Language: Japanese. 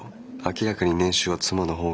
明らかに年収は妻の方が上。